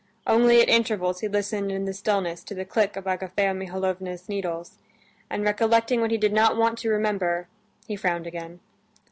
Only at intervals he listened in the stillness to the click of Agafea Mihalovna's needles, and recollecting what he did not want to remember, he frowned again.